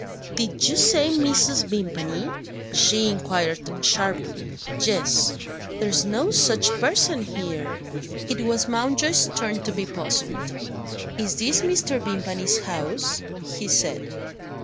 "Did you say Mrs. Vimpany?" she inquired sharply. "Yes." "There's no such person here." It was Mountjoy's turn to be puzzled. "Is this Mr. Vimpany's house?" he said.